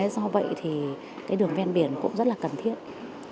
do vậy đường ven biển cũng rất cần thiết